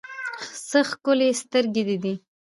څه ښکلي سترګې دې دي